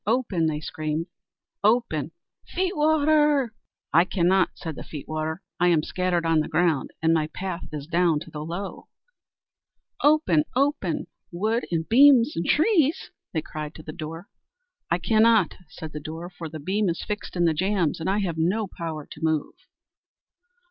open!" they screamed; "open, feet water!" "I cannot," said the feet water; "I am scattered on the ground, and my path is down to the Lough." "Open, open, wood and trees and beam!" they cried to the door. "I cannot," said the door, "for the beam is fixed in the jambs and I have no power to move."